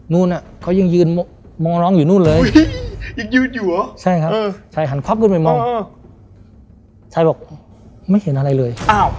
นู้นเขายังยืนมองน้องอยู่นู้นเลย